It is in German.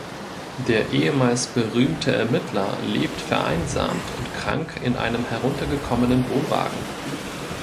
Der ehemals berühmte Ermittler lebt vereinsamt und krank in einem heruntergekommenen Wohnwagen.